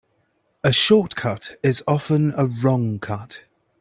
A short cut is often a wrong cut.